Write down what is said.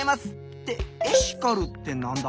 ってエシカルってなんだ？